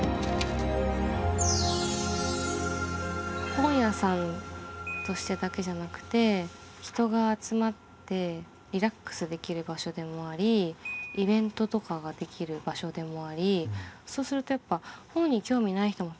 本屋さんとしてだけじゃなくて人が集まってリラックスできる場所でもありイベントとかができる場所でもありそうするとやっぱ本に興味ない人もたくさん集まってくる。